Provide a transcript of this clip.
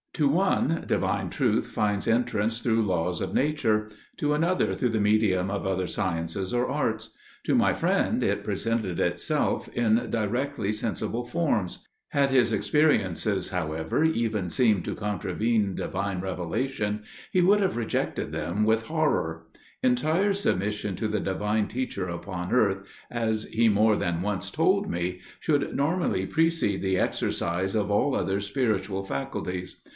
To one Divine Truth finds entrance through laws of nature, to another through the medium of other sciences or arts; to my friend it presented itself in directly sensible forms. Had his experiences, however, even seemed to contravene Divine Revelation, he would have rejected them with horror: entire submission to the_ _Divine Teacher upon earth, as he more than once told me, should normally precede the exercise of all other spiritual faculties.